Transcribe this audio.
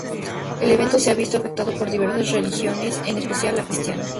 El evento se ha visto afectado por diversas religiones, en especial la cristiana.